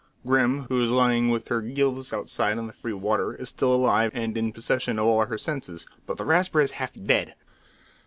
Grim, who is lying with her gills outside in the free water, is still alive and in possession of all her senses, but the Rasper is half dead.